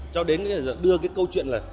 cho đến đưa cái câu chuyện là